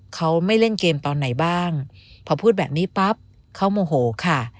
เขาไม่เล่นเกมตอนไหนบ้างพอพูดแบบนี้ปั๊บเขาโมโหค่ะ